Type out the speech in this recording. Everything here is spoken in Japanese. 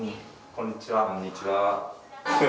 こんにちは。